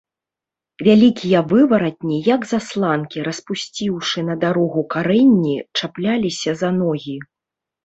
Вялікія вываратні, як засланкі, распусціўшы на дарогу карэнні, чапляліся за ногі.